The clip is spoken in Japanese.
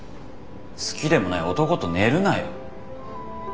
好きでもない男と寝るなよ。